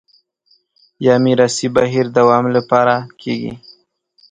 یا میراثي بهیر دوام لپاره کېږي